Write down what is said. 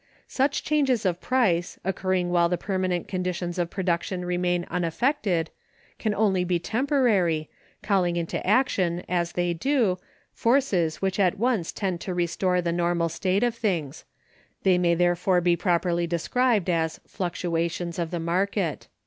Such changes of price, occurring while the permanent conditions of production remain unaffected, can only be temporary, calling into action, as they do, forces which at once tend to restore the normal state of things: they may therefore be properly described as 'fluctuations of the market.